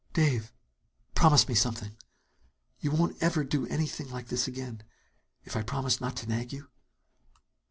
Dave, promise me something! You won't ever do anything like this again, if I promise not to nag you?"